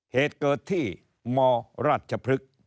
เหตุเกิดที่มรัชพรึก